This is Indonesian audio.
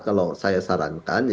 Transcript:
kalau saya sarankan